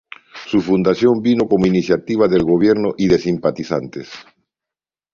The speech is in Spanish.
Su fundación vino como iniciativa del gobierno y de simpatizantes.